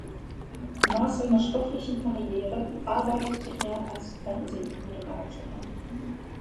Nach seiner sportlichen Karriere arbeitete er als Fernsehmoderator.